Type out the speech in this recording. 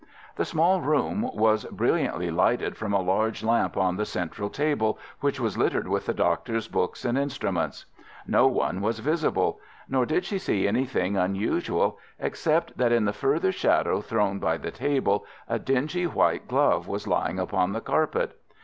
The small room was brilliantly lighted from a large lamp on the central table, which was littered with the doctor's books and instruments. No one was visible, nor did she see anything unusual, except that in the further shadow thrown by the table a dingy white glove was lying upon the carpet.